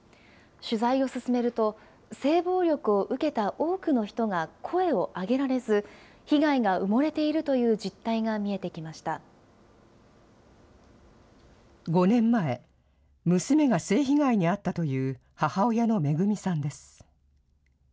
取材を進めると、性暴力を受けた多くの人が声を上げられず、被害が埋もれていると５年前、娘が性被害に遭ったという母親のめぐみさんです。